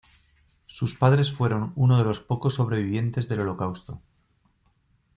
Sus padres fueron uno de los pocos sobrevivientes del Holocausto.